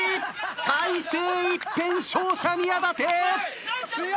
体勢一変勝者宮舘！